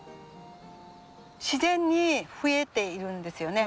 自然に増えているんですよね。